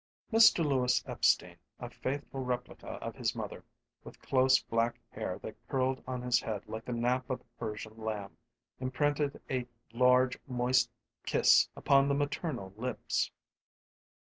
Mr. Louis Epstein, a faithful replica of his mother, with close black hair that curled on his head like the nap of a Persian lamb, imprinted a large, moist kiss upon the maternal lips.